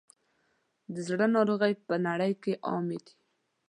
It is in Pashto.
د زړه ناروغۍ په نړۍ کې عامې دي.